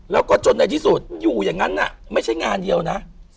แล้วก็จนในที่สุดอยู่อย่างนั้นไม่ใช่งานเดียวนะ